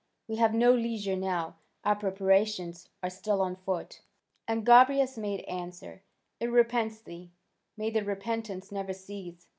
We have no leisure now, our preparations are still on foot.'" And Gobryas made answer: "It repents thee: may that repentance never cease!